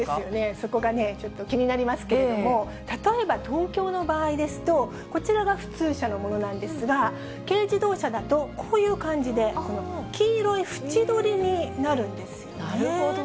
そこがちょっと気になりますけれども、例えば東京の場合ですと、こちらが普通車のものなんですが、軽自動車だと、こういう感じで、黄色い縁取りになるんですね。